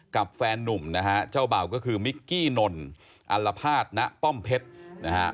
แฟนนุ่มนะฮะเจ้าเบ่าก็คือมิกกี้นนอัลภาษณป้อมเพชรนะฮะ